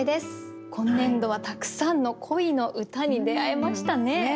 今年度はたくさんの恋の歌に出会えましたね。